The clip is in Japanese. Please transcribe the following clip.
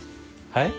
はい？